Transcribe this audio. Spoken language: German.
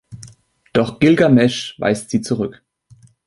Doch Gilgamesch weist sie zurück.